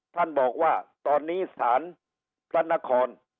ท่านบอกว่าตอนนี้สถานทรรณคล